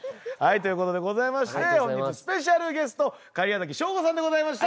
ということでございまして本日スペシャルゲスト假屋崎省吾さんでございました。